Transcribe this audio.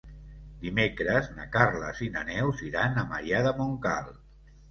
Dimecres na Carla i na Neus iran a Maià de Montcal.